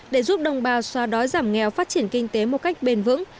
để giúp đồng bào xóa đói giảm nghèo phát triển kinh tế một cách bền vững